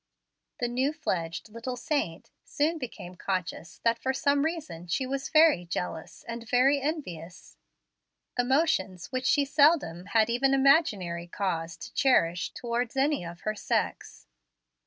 The new fledged little saint soon became conscious that for some reason she was very jealous and very envious, emotions which she seldom had even imaginary cause to cherish towards any of her sex.